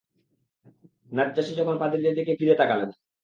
নাজ্জাশী তখন পাদ্রীদের দিকে ফিরে তাকালেন।